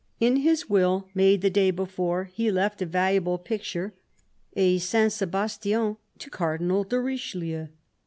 In his will, made the day before, he left a valuable picture, a St. Sebastian, to Cardinal de Richelieu.